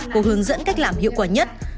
cô hướng dẫn cách làm hiệu quả nhất